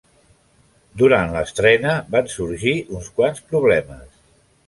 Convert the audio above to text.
Durant l'estrena van sorgir uns quants problemes.